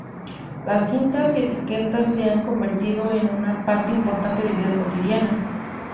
Las cintas y etiquetas se han convertido en una parte importante de vida cotidiana.